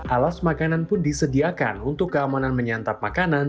alas makanan pun disediakan untuk keamanan menyantap makanan